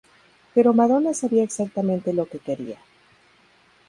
Pero Madonna sabía exactamente lo que quería.